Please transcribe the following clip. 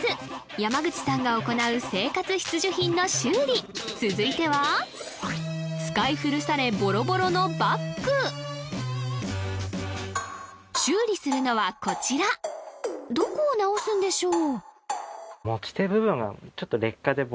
山口さんが行う生活必需品の修理続いては使い古されボロボロのバッグ修理するのはこちらどこを直すんでしょう？